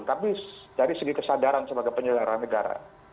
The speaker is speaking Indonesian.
tapi dari segi kesadaran sebagai penyelenggara negara